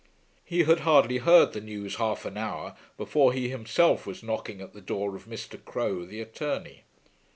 He had hardly heard the news half an hour before he himself was knocking at the door of Mr. Crowe the attorney.